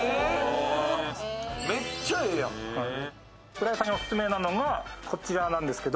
浦井さんにオススメなのがこれなんですけど。